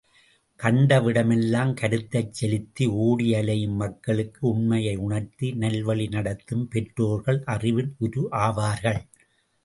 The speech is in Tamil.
கண்டவிடமெல்லாம் கருத்தைச் செலுத்தி ஓடி அலையும் மக்களுக்கு உண்மையை உணர்த்தி, நல்வழி நடத்தும் பெற்றோர்கள் அறிவின் உரு ஆவார்கள்.